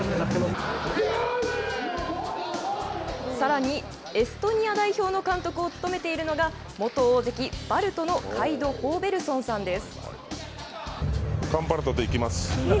さらにエストニア代表の監督を務めているのが元大関・把瑠都のカイド・ホーベルソンさんです。